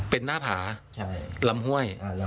เป็นหน้าผาลำห้วย